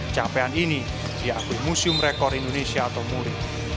capaian ini diakui museum rekor indonesia atau muri